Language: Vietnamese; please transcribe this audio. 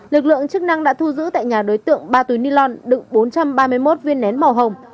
lực lượng chức năng đã thu giữ tại nhà đối tượng ba túi ni lông đựng bốn trăm ba mươi một viên nén màu hồng